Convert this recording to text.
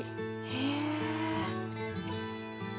へえ。